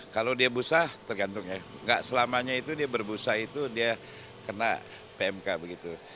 kalau dia busa tergantung ya nggak selamanya itu dia berbusa itu dia kena pmk begitu